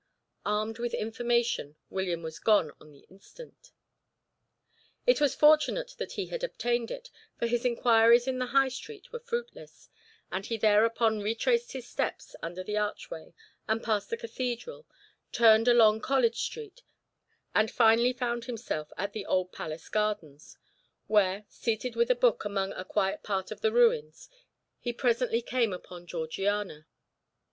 Armed with information William was gone on the instant. It was fortunate that he had obtained it, for his inquiries in the High Street were fruitless, and he thereupon retraced his steps under the archway and past the Cathedral, turned along College Street, and finally found himself in the old Palace gardens, where, seated with a book among a quiet part of the ruins, he presently came upon Georgiana.